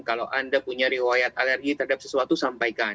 kalau anda punya riwayat alergi terhadap sesuatu sampaikan